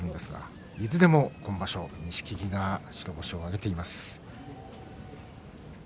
いずれも今場所、錦木が白星を挙げています。